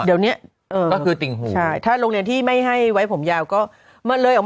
เดี๋ยวเนี้ยก็คือติ่งหูใช่ถ้าโรงเรียนที่ไม่ให้ไว้ผมยาวก็มาเลยออก